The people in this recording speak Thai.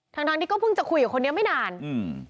ทั้งทั้งที่ก็เพิ่งจะคุยกับคนนี้ไม่นานอืม